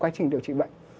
quá trình điều trị bệnh